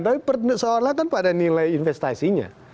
tapi soalnya kan pada nilai investasinya